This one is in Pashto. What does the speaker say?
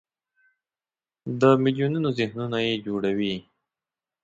د میلیونونو ذهنونه یې جوړوي.